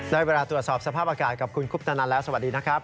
ได้เวลาตรวจสอบสภาพอากาศกับคุณคุปตนันแล้วสวัสดีนะครับ